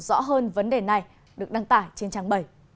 rõ hơn vấn đề này được đăng tải trên trang bảy